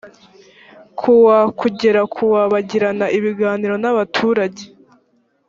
ku wa kugera ku wa bagirana ibiganiro n abaturage